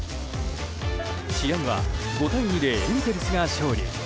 試合は５対２でエンゼルスが勝利。